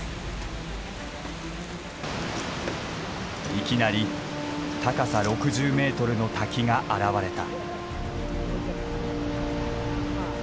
いきなり高さ６０メートルの滝が現れた。